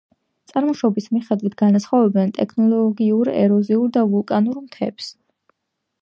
წარმოშობის მიხედვით განასხვავებენ ტექტონიკურ, ეროზიულ და ვულკანურ მთებს.